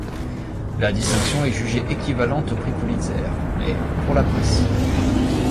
La distinction est jugée équivalente au prix Pulitzer, mais pour la presse.